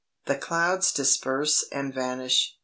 The clouds disperse and vanish.